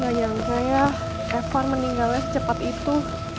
gak nyangka ya evan meninggalnya secepat itu